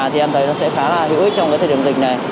thì em thấy nó sẽ khá là hữu ích trong cái thời điểm dịch này